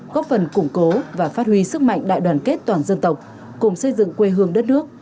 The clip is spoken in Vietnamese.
góp phần củng cố và phát huy sức mạnh đại đoàn kết toàn dân tộc cùng xây dựng quê hương đất nước